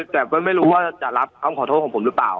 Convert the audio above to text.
แต่ก็ไม่รู้ว่าจะรับคำขอโทษของผมหรือเปล่า